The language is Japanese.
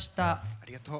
ありがとう。